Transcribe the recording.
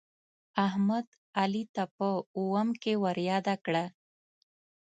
احمد، علي ته په اوم کې ورياده کړه.